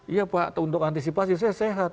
iya pak untuk antisipasi saya sehat